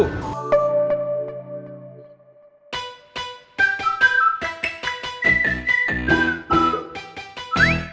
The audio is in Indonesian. kamu mau bahas apa